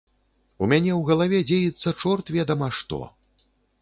У мяне ў галаве дзеецца чорт ведама што.